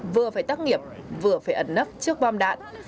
vừa phải tác nghiệp vừa phải ẩn nấp trước bom đạn